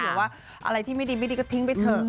หรือว่าอะไรที่ไม่ดีไม่ดีก็ทิ้งไปเถอะ